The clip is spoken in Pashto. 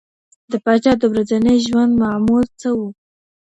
د پاچا د ورځني ژوند معمول څه و؟